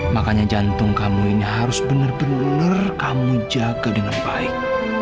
makanya jantung kamu ini harus benar benar kamu jaga dengan baik